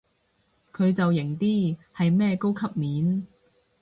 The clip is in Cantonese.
佢就型啲，係咩高級面